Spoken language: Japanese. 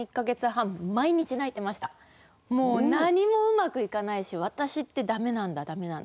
もう何もうまくいかないし私って駄目なんだ駄目なんだ。